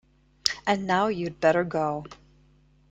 And now you’d better go!